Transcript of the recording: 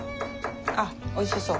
あっおいしそう。